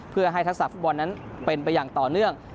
เพื่อให้ทักษะฟุตบอลนั้นเป็นไปอย่างต่อเนื่อง